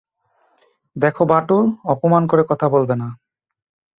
দেখো বাঁটুল, অপমান করে কথা বলবে না।